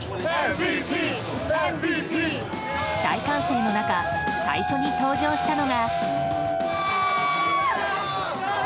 大歓声の中最初に登場したのが。